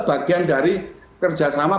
bagian dari kerjasama